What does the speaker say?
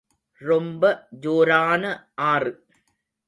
ரொம்ப ஜோரான ஆறு.